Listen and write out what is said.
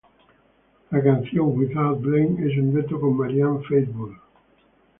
La canción "Without Blame" es un dueto con Marianne Faithfull.